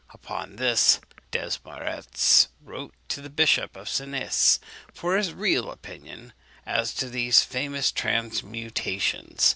Upon this, Desmarets wrote to the Bishop of Senés for his real opinion as to these famous transmutations.